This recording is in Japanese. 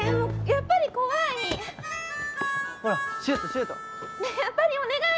やっぱりお願い！